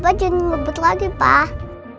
papa janji ngebet lagi pak